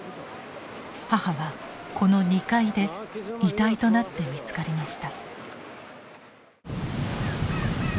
母はこの２階で遺体となって見つかりました。